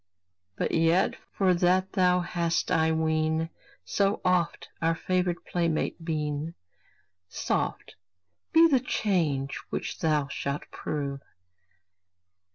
But yet, for that thou hast, I ween, So oft our favored playmate been, Soft be the change which thou shalt prove!